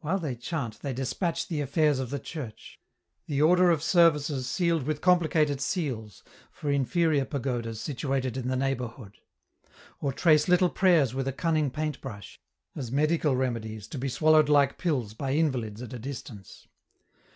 While they chant they despatch the affairs of the church: the order of services sealed with complicated seals for inferior pagodas situated in the neighborhood; or trace little prayers with a cunning paint brush, as medical remedies to be swallowed like pills by invalids at a distance.